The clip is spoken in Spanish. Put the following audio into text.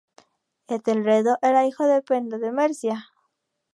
Etelredo era hijo de Penda de Mercia.